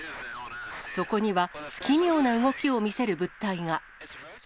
そこには奇妙な動きを見せる物体が。